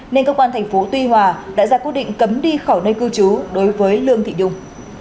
nên cơ quan thành phố tuy hòa đã ra quyết định cấm đi khỏi nơi cư trú đối với lương thị nhung